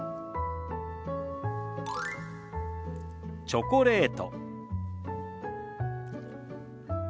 「チョコレート」。